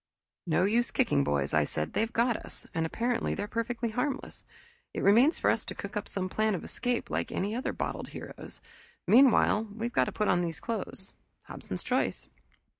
"No use kicking, boys," I said. "They've got us, and apparently they're perfectly harmless. It remains for us to cook up some plan of escape like any other bottled heroes. Meanwhile we've got to put on these clothes Hobson's choice."